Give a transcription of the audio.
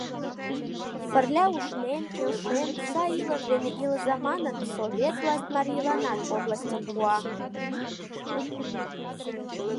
Пырля ушнен, келшен, сай илыш дене илыза манын, совет власть марийланат областьым пуа.